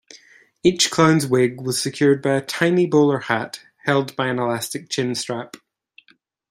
Each clown's wig was secured by a tiny bowler hat held by an elastic chin-strap.